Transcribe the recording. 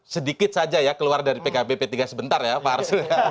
sedikit saja ya keluar dari pkb p tiga sebentar ya pak arsul